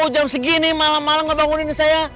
jam segini malam malam gak bangunin saya